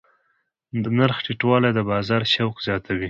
د نرخ ټیټوالی د بازار شوق زیاتوي.